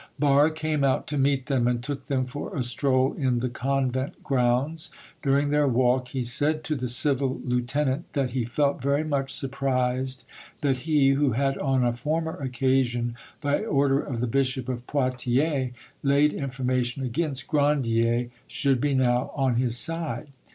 Barre came out to meet them, and took them for a stroll in the convent grounds. During their walk he said to the civil lieutenant that he felt very much surprised that he, who had on a former occasion, by order of the Bishop of Poitiers, laid information against Grandier should be now on his side.